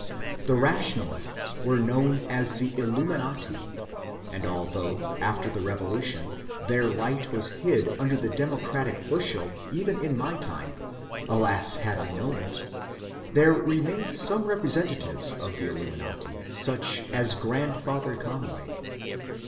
The rationalists were known as the ^^ Uluminati ;" and although after the Revolution their light was hid imder the demo cratic bushel, even in my time — alas, had I known it! — there remained some representatives of the ^^ Illuminati," such as grandfather Conway.